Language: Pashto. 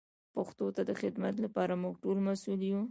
پښتو ته د خدمت لپاره موږ ټول مسئول یو.